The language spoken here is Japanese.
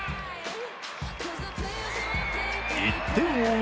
１点を追う